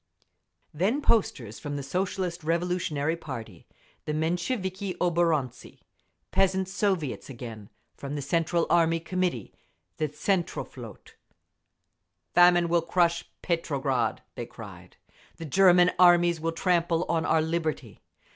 Then posters from the Socialist Revolutionary party, the Mensheviki oborontsi, Peasants' Soviets again; from the Central Army Committee, the Tsentroflot…. … Famine will crush Petrograd! (they cried). The German armies will trample on our liberty.